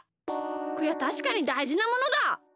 こりゃたしかにだいじなものだ！